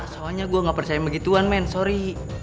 soalnya gue gak percaya begituan main sorry